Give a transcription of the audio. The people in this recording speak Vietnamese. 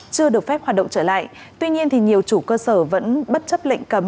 chưa được phép hoạt động trở lại tuy nhiên thì nhiều chủ cơ sở vẫn bất chấp lệnh cấm